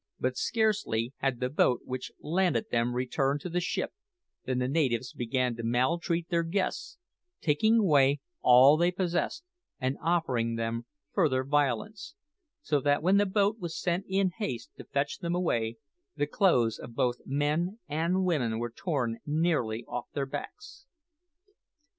But scarcely had the boat which landed them returned to the ship than the natives began to maltreat their guests, taking away all they possessed, and offering them further violence, so that when the boat was sent in haste to fetch them away, the clothes of both men and women were torn nearly off their backs.